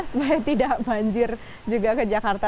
supaya tidak banjir juga ke jakarta